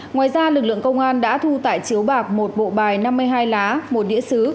ngoài ra lực lượng công an đã thu tải chiếu bạc một bộ bài năm mươi hai lá một đĩa xứ